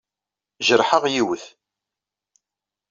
Jerḥeɣ yiwet.